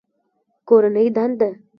کورنۍ دنده